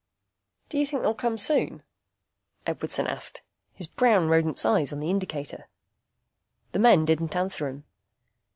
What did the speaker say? "Do you think they'll come soon?" Edwardson asked, his brown rodent's eyes on the indicator. The men didn't answer him.